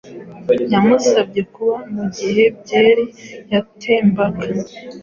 Yamusabye kuba mugihe byeri yatembaga